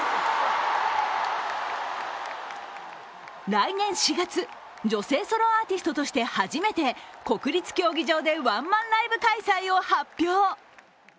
来年４月、女性ソロアーティストとして初めて国立競技場でワンマンライブ開催を発表。